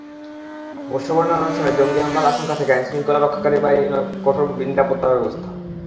বর্ষবরণের অনুষ্ঠানে জঙ্গি হামলার আশঙ্কা থেকে আইনশৃঙ্খলা রক্ষাকারী বাহিনী নেয় কঠোর নিরাপত্তাব্যবস্থা।